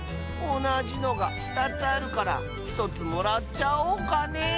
おなじのがふたつあるからひとつもらっちゃおうかね。